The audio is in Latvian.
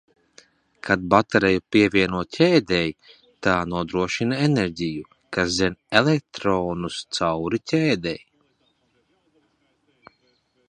Kad bateriju pievieno ķēdei, tā nodrošina enerģiju, kas dzen elektronus cauri ķēdei.